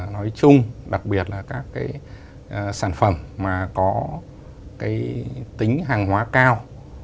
nói chung đặc biệt là các cái sản phẩm mà có cái tính hàng hóa cao